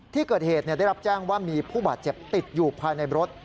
ที่เกิดเหตุได้รับแจ้งว่ามีผู้บาดเจ็บติดอยู่ภายในรถ